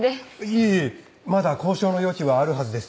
いえいえまだ交渉の余地はあるはずです。